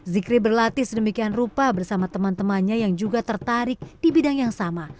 zikri berlatih sedemikian rupa bersama teman temannya yang juga tertarik di bidang yang sama